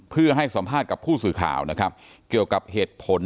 เพื่อให้สัมภาษณ์กับผู้สื่อข่าวนะครับเกี่ยวกับเหตุผล